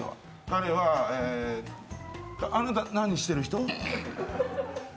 彼はあなた何してる人？